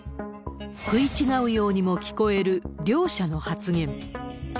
食い違うようにも聞こえる両者の発言。